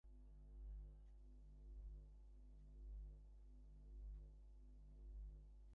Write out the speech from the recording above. তাঁদের মধ্যে একজন হলেন দ্য ফিলিপাইন স্টার পত্রিকার কলামিস্ট ববিট আভিলা।